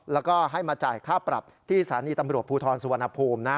แล้วก็ให้มาจ่ายค่าปรับที่สถานีตำรวจภูทรสุวรรณภูมินะ